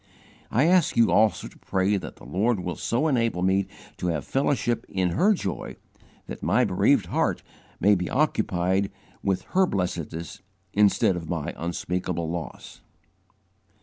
I ask you also to pray that the Lord will so enable me to have fellowship in her joy that my bereaved heart may be occupied with her blessedness instead of my unspeakable loss."